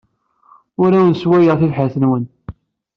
Ur awen-sswayeɣ tibḥirt-nwen.